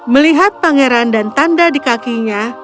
melihat pangeran dan tanda di kakinya